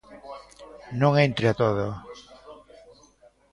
Non entre a todo.